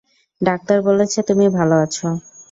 Doctor বলেছে তুমি ভালো আছ।